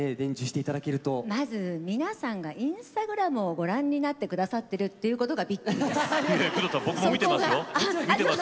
皆さんがインスタグラムをご覧になってくださっているのがびっくりです。